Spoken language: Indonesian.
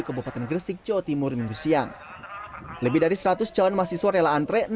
kabupaten gresik jawa timur minggu siang lebih dari seratus calon mahasiswa rela antre